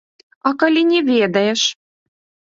А калі не ведаеш?